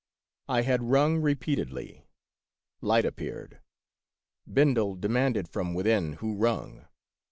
" I had rung repeatedly ; light appeared. Ben del demanded from within who rung.